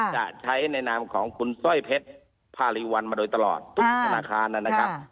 ใช้แนะนำของคุณสร้อยเพชรภาริวัลมาโดยตลอดทุกธนาคารนั้นนะครับ